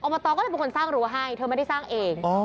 ตก็เลยเป็นคนสร้างรั้วให้เธอไม่ได้สร้างเอง